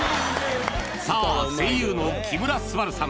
さあ声優の木村昴さん